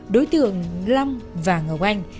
đối tượng lâm và ngọc anh